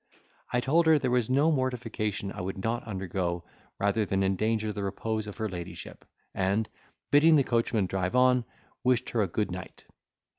I told her there was no mortification I would not undergo, rather than endanger the repose of her ladyship; and, bidding the coachman drive on, wished her a good night.